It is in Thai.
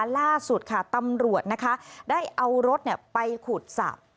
ล่าสุดตำรวจได้เอารถไปขุดสะ